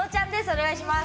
お願いします！